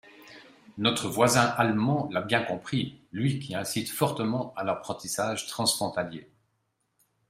Notre voisin allemand l’a bien compris, lui qui incite fortement à l’apprentissage transfrontalier.